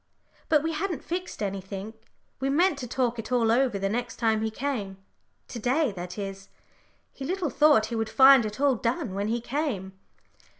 But we hadn't fixed anything, we meant to talk it all over the next time he came to day, that is. He little thought he would find it all done when he came."